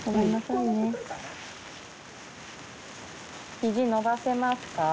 肘伸ばせますか？